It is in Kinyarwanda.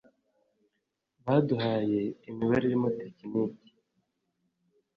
baduhaye imibare irimo tekiniki